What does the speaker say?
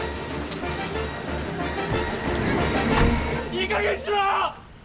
いいかげんにしろ！